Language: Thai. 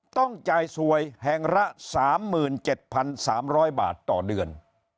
ต้องจ่ายสวยแห่งละ๓๗๓๐๐บาทต่อเดือน